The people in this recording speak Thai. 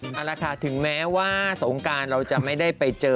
เอาละค่ะถึงแม้ว่าสงการเราจะไม่ได้ไปเจอ